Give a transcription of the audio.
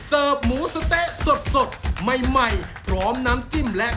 เสิร์ฟหมูสเต๊ะสดสดใหม่ใหม่ร้อมน้ำจิ้มและ